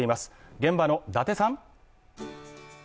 現場の達さん。